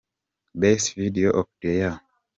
Best video of the year.